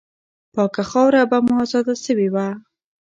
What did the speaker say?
پاکه خاوره به مو آزاده سوې وه.